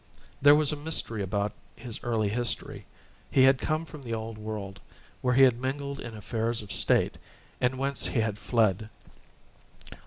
There was a mystery about his early history; he had come from the old world, where he had mingled in affairs of state, and whence he had fled.